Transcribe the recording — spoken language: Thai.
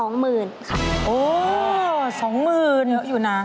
โอ้โฮ๒๐๐๐๐บาทค่ะอยู่นะ